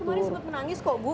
kemarin sempat menangis kok bu